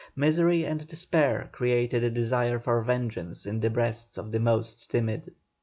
Misery and despair created a desire for vengeance in the breasts of the most timid.